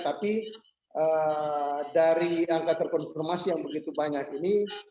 tapi dari angka terkonfirmasi yang begitu banyak ini